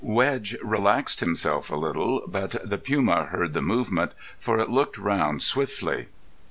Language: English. Wedge relaxed himself a little, but the puma heard the movement, for it looked round swiftly.